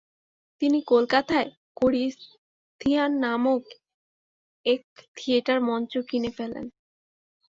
তিনি কলকাতায় Corinthian hall নামক এক থিয়েটার মঞ্চ কিনে ফেলেন।